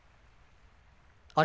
あれ？